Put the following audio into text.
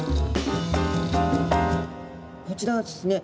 こちらはですね